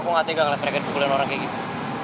aku gak tega gak lihat mereka dipukulin orang kayak gitu